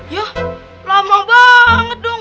yah lama banget dong